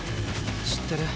知ってる？